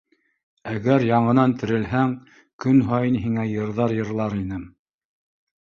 Әгәр яңынан терелһәң, көн һайын һиңә йырҙар йырлар инем.